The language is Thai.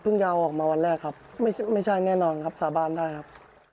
ยาวออกมาวันแรกครับไม่ใช่แน่นอนครับสาบานได้ครับ